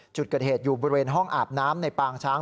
จุดเกิดเหตุอยู่บริเวณห้องอาบน้ำในปางช้าง